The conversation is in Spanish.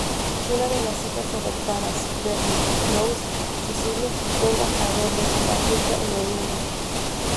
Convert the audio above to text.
Una de las hijas adoptadas, Beryl Rose Sisulu, fue Embajador de Sudáfrica en Noruega.